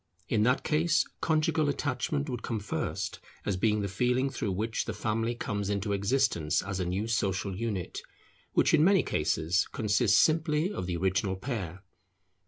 In that case conjugal attachment would come first, as being the feeling through which the family comes into existence as a new social unit, which in many cases consists simply of the original pair.